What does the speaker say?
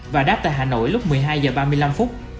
và đáp tại hà nội lúc một mươi hai h ba mươi năm phút